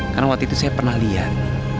karena waktu itu saya pernah lihat